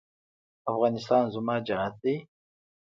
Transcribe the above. افغانستان زما جنت دی؟